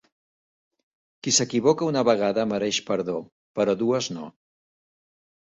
Qui s'equivoca una vegada mereix perdó, però dues no.